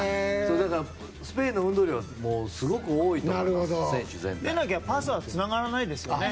スペインの運動量はすごく多いと思います選手全体。でなきゃパスはつながらないですよね。